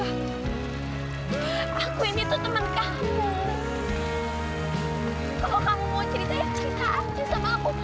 kalau kamu mau cerita ya cerita aja sama aku